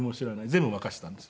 全部任せたんです。